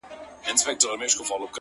له ده بې زړه نه و; ژونده کمال دي وکړ;